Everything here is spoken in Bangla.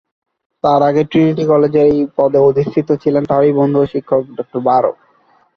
তার আগে ট্রিনিটি কলেজের এই পদে অধিষ্ঠিত ছিলেন তারই বন্ধু ও শিক্ষক ডঃ বারো।